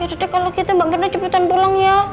ya udah deh kalau gitu mbak mirna cepetan pulang ya